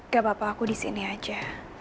gak apa apa aku di sini aja